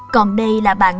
còn đây là bạn